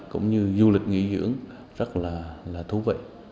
cũng như du lịch nghỉ dưỡng rất là thú vị